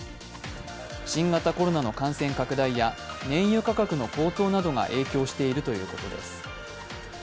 新型コロナの感染拡大や燃油価格の高騰などが影響しているということです。